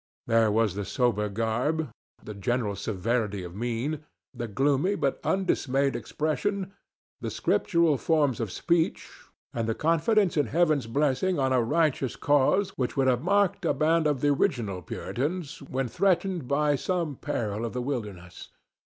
There was the sober garb, the general severity of mien, the gloomy but undismayed expression, the scriptural forms of speech and the confidence in Heaven's blessing on a righteous cause which would have marked a band of the original Puritans when threatened by some peril of the wilderness.